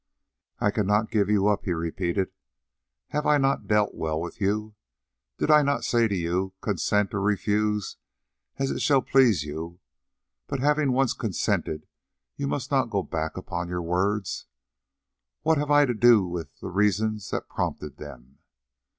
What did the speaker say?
"I cannot give you up," he repeated. "Have I not dealt well with you? Did I not say to you, 'Consent or refuse, as it shall please you, but having once consented you must not go back upon your words'? What have I to do with the reasons that prompted them?